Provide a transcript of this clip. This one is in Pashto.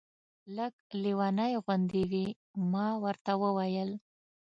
لږ لېونۍ غوندې وې. ما ورته وویل.